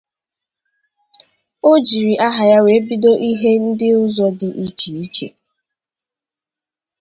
Ọ jiri aha ya wee bido ihe ndi uzo di iche iche.